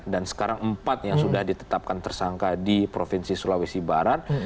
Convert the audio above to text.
dan sekarang empat yang sudah ditetapkan tersangka di provinsi sulawesi barat